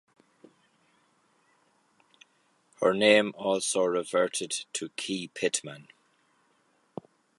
Her name also reverted to "Key Pittman".